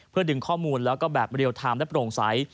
เพื่อดึงข้อมูลแล้วก็แบบเรียลไทม์และโปร่งใส